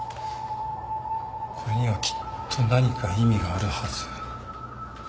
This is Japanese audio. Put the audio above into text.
これにはきっと何か意味があるはず。